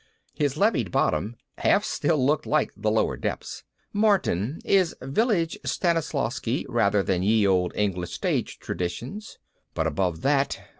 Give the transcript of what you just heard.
His levied bottom half still looked like The Lower Depths. Martin is Village Stanislavsky rather than Ye Olde English Stage Traditions. But above that